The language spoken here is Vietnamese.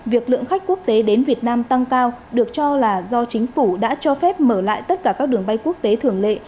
việc lượng khách quốc tế đến việt nam tăng cao được cho là do chính phủ đã cho phép mở lại tất cả các đường bay quốc tế thường lệ